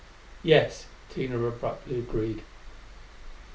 "Yes," Tina abruptly agreed.